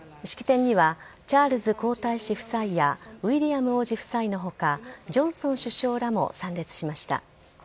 式典には、チャールズ皇太子夫妻や、ウィリアム王子夫妻のほか、ジョンソン首相らも参列しました。